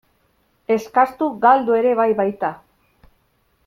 Eskastu galdu ere bai baita.